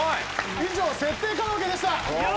以上設定カラオケでした！